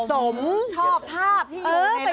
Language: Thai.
ชอบภาพที่อยู่ในนาตรี